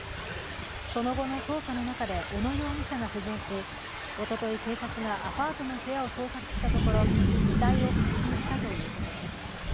その後の捜査の中で小野容疑者が浮上し、おととい警察がアパートの部屋を捜索したところ、遺体を発見したということです。